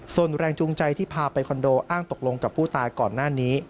ส่วนแรงจูงใจที่พาไปคอนโดอ้างตกลงกับผู้ตายก่อนหน้านี้